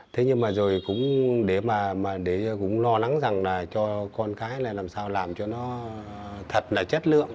thế nhưng mà rồi cũng để mà cũng lo lắng rằng là cho con cái là làm sao làm cho nó thật là chất lượng